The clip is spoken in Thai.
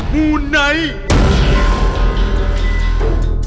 มูไนท์